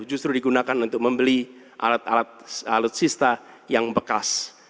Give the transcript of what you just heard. justru digunakan untuk membeli alat alat alutsista yang bekas